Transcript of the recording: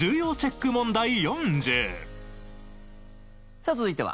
さあ続いては。